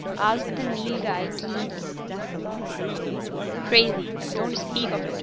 asked the Nilghai, keenly. "Crazy. Don't speak of it.